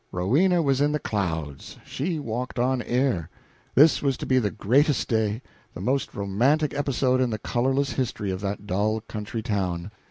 Rowena was in the clouds, she walked on air; this was to be the greatest day, the most romantic episode, in the colorless history of that dull country town.